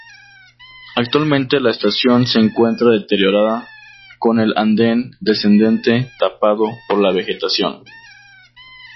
Actualmente la estación se encuentra deteriorada, con el anden descendente tapado por la vegetación.